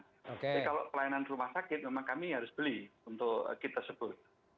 jadi kalau pelayanan rumah sakit memang kami harus beli untuk kit tersebut